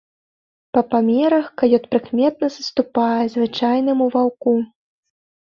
Па памерах каёт прыкметна саступае звычайнаму ваўку.